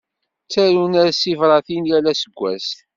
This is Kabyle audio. Ttarun-as tibratin yal aseggas.